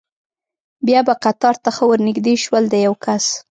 بیا به قطار ته ښه ور نږدې شول، د یو کس.